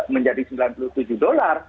menjadi sembilan puluh tujuh dolar